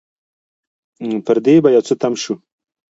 پر دې به يو څه تم شو.